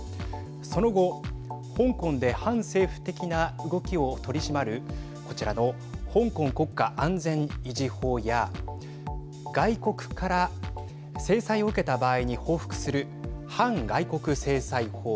その後、香港で反政府的な動きを取り締まるこちらの香港国家安全維持法や外国から制裁を受けた場合に報復する反外国制裁法